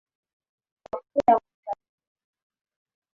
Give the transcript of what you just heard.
Wafula hula sana